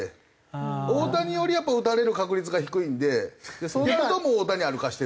大谷よりやっぱ打たれる確率が低いんでそうなると大谷歩かせて。